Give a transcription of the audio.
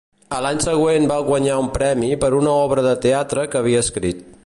A l’any següent va guanyar un premi per una obra de teatre que havia escrit.